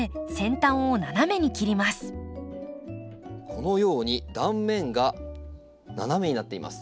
このように断面が斜めになっています。